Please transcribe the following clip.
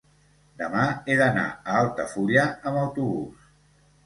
demà he d'anar a Altafulla amb autobús.